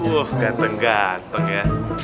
uh ganteng ganteng ya